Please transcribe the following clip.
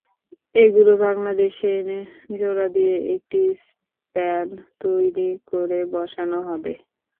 এগুলো বাংলাদেশে এনে জোড়া দিয়ে একটি স্প্যান তৈরি করে বসানো হবে।